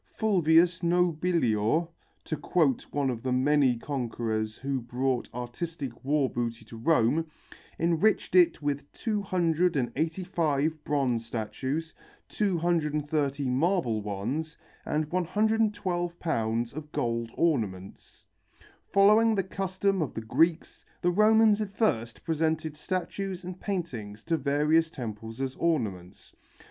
Fulvius Nobilior, to quote one of the many conquerors who brought artistic war booty to Rome, enriched it with 285 bronze statues, 230 marble ones, and 112 pounds of gold ornaments. Following the custom of the Greeks, the Romans at first presented statues and paintings to various temples as ornaments.